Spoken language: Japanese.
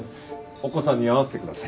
お子さんに会わせてください。